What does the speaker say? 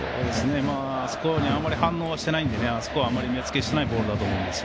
あそこにあんまり反応していないのであそこはあまり目つけをしないボールだと思います。